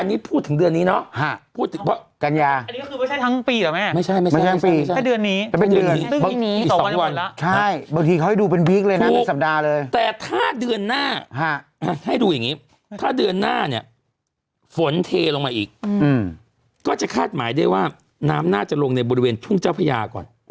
อีกอืมก็จะคาดหมายได้ว่าน้ำน่าจะลงในบริเวณทุ่งเจ้าพระยาก่อน